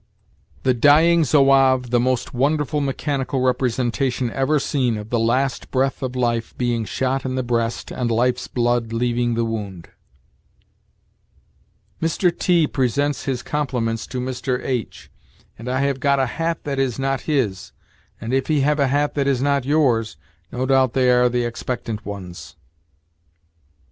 "The Dying Zouave the most wonderful mechanical representation ever seen of the last breath of life being shot in the breast and life's blood leaving the wound." "Mr. T presents his compliments to Mr. H , and I have got a hat that is not his, and, if he have a hat that is not yours, no doubt they are the expectant ones."